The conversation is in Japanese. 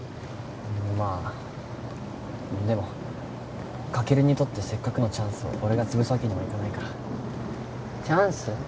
まあでもカケルにとってせっかくのチャンスを俺が潰すわけにはいかないからチャンス？